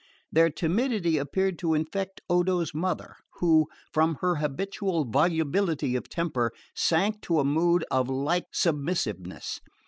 Their timidity appeared to infect Odo's mother, who, from her habitual volubility of temper, sank to a mood of like submissiveness.